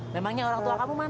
memangnya orang tua kamu mas